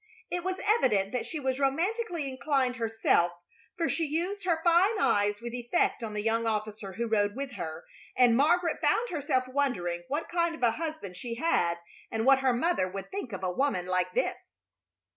It was evident that she was romantically inclined herself, for she used her fine eyes with effect on the young officer who rode with her, and Margaret found herself wondering what kind of a husband she had and what her mother would think of a woman like this.